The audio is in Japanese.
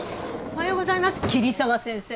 おはようございます桐沢先生。